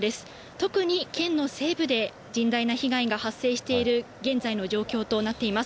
特に県の西部で甚大な被害が発生している現在の状況となっています。